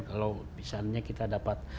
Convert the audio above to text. kalau misalnya kita dapat